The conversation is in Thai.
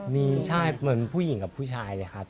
มีใช่เหมือนผู้หญิงกับผู้ชายเลยครับ